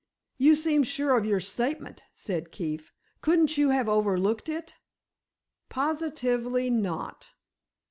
"You seem sure of your statement," said Keefe. "Couldn't you have overlooked it?" "Positively not."